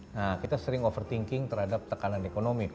nah kita sering overthinking terhadap tekanan ekonomi